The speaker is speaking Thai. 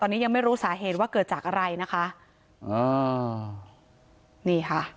ตอนนี้ยังไม่รู้สาเหตุว่าเกิดจากอะไรนะคะอ่านี่ค่ะ